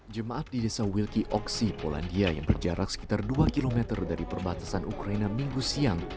jemaat di desa wilki oksi polandia yang berjarak sekitar dua km dari perbatasan ukraina minggu siang